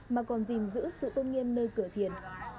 mà còn gìn giữ sự tôn nghiêm nơi cửa thiền